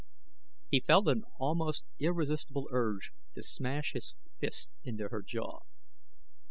He felt an almost irresistible urge to smash his fist into her jaw.